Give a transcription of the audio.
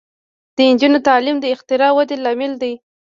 د نجونو تعلیم د اختراع ودې لامل دی.